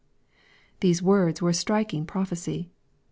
These words were a striking prophecy.